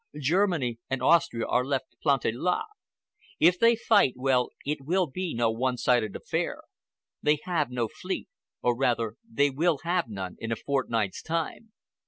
Germany and Austria are left planté la. If they fight, well, it will be no one sided affair. They have no fleet, or rather they will have none in a fortnight's time.